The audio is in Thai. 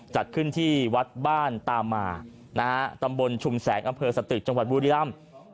จัดขึ้นที่วัดบ้านตามานะฮะตำบลชุมแสงอำเภอสตึกจังหวัดบุรีรำ